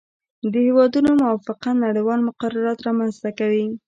د هیوادونو موافقه نړیوال مقررات رامنځته کوي